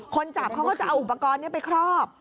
คนจับเขาก็จะเอาอุปกรณ์นี้ไปครอบ